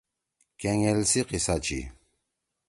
کینگیل سی قصہ چھی: